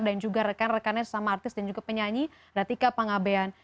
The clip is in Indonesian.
dan juga rekan rekannya sesama artis dan juga penyanyi ratika pangabean